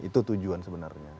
itu tujuan sebenarnya